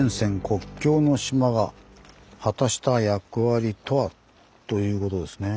国境の島が果たした役割とは？」ということですね。